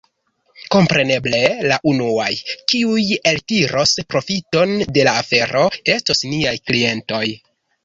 Kompreneble la unuaj, kiuj eltiros profiton de la afero, estos niaj klientoj.